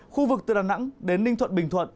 khu vực từ đà nẵng đến ninh thuận bình thuận